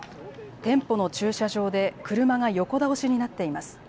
店舗の駐車場で車が横倒しになっています。